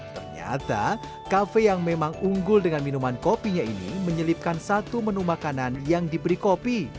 ternyata kafe yang memang unggul dengan minuman kopinya ini menyelipkan satu menu makanan yang diberi kopi